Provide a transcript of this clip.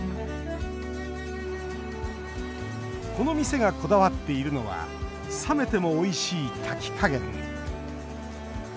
この店が、こだわっているのは冷めても、おいしい炊き加減。